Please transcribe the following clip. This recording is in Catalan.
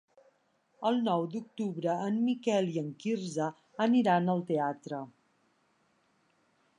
El nou d'octubre en Miquel i en Quirze aniran al teatre.